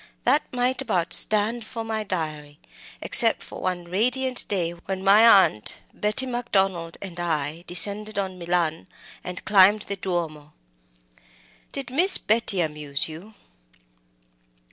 that might about stand for my diary, except for one radiant day when my aunt, Betty Macdonald, and I descended on Milan, and climbed the Duomo." "Did Miss Betty amuse you?"